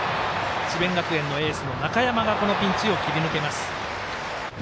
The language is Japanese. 智弁学園のエースの中山がこのピンチを切り抜けます。